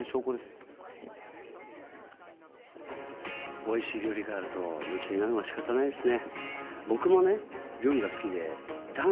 おいしい料理があると夢中になるのは仕方がないですね。